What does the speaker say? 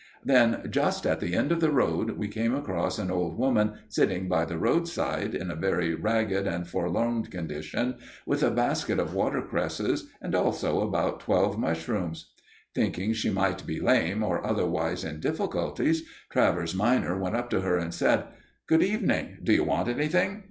Then, just at the end of the road, we came across an old woman sitting by the roadside in a very ragged and forlorn condition, with a basket of watercresses and also about twelve mushrooms. Thinking she might be lame, or otherwise in difficulties, Travers minor went up to her and said: "Good evening! D'you want anything?"